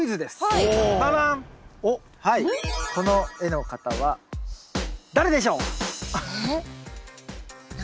はいこの絵の方は誰でしょう？え？